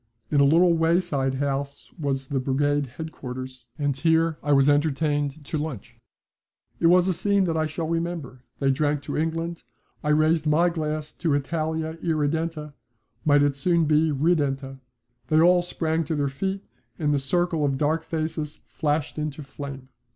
In a little wayside house was the brigade headquarters, and here I was entertained to lunch. It was a scene that I shall remember. They drank to England. I raised my glass to Italia irredenta might it soon be redenta. They all sprang to their feet and the circle of dark faces flashed into flame.